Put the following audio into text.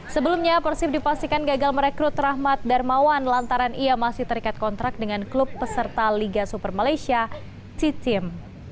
sebelumnya persib dipastikan gagal merekrut rahmat darmawan lantaran ia masih terikat kontrak dengan klub peserta liga super malaysia citim